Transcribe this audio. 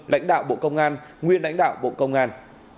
lãnh đạo bộ công an nguyên lãnh đạo bộ công an